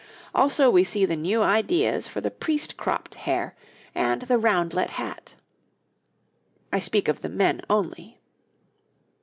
Also we see the new ideas for the priest cropped hair and the roundlet hat. I speak of the men only.